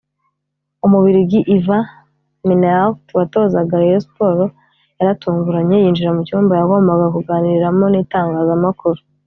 umubiligi Ivan Minnaert watozaga Rayon Sports yaratunguranye yinjira mu cyumba yagombaga kuganiriramo n’itangazamakuru